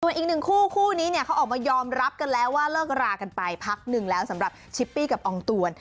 ส่วนอีกหนึ่งคู่คู่นี้เนี่ยเขาออกมายอมรับกันแล้วว่าเลิกรากันไปพักหนึ่งแล้วสำหรับชิปปี้กับอองตวน